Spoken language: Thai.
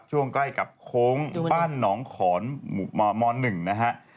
ใกล้กับโค้งบ้านหนองขอนม๑นะฮะ